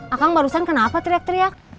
akang barusan kenapa teriak teriak